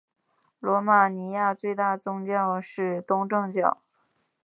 罗马尼亚最大的宗教是东正教。